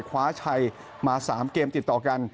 คว้าชัยมา๓เกมติดต่อกัน